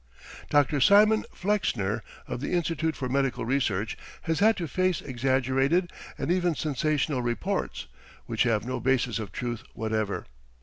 Dr. Simon Flexner, of the Institute for Medical Research, has had to face exaggerated and even sensational reports, which have no basis of truth whatever.